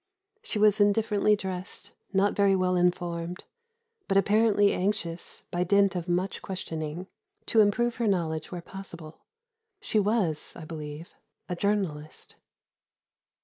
She was indifferently dressed, not very well informed, but apparently anxious, by dint of much questioning, to improve her knowledge where possible. She was, I believe, a journalist.